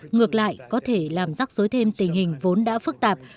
ngược lại có thể làm rắc rối thêm tình hình vốn đã phức tạp